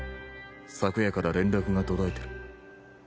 昨夜から連絡が途絶えてる。